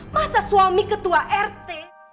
masa suami ketua rt